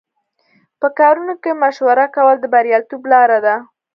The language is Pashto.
په کارونو کې مشوره کول د بریالیتوب لاره ده.